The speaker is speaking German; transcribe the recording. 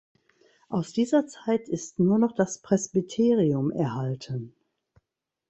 Aus dieser Zeit ist nur noch das Presbyterium erhalten.